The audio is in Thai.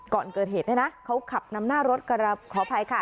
ก่อนเกิดเหตุเนี่ยนะเขาขับนำหน้ารถขออภัยค่ะ